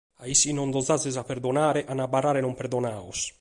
A is chi non ddos ais a perdonare, ant a abarrare non perdonados.